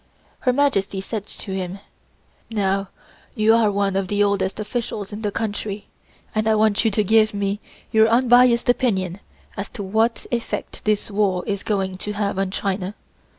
Her Majesty said to him: "Now, you are one of the oldest officials in the country, and I want you to give me your unbiased opinion as to what effect this war is going to have on China.